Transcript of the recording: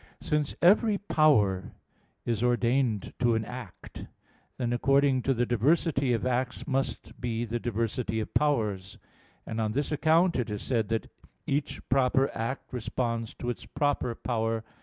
Since every power is ordained to an act, then according to the diversity of acts must be the diversity of powers; and on this account it is said that each proper act responds to its proper power.